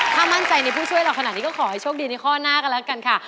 ถ้ามั่นใจในผู้ช่วยเราขนาดนี้ก็ขอให้โชคดีในข้อหน้ากันแล้วกันค่ะ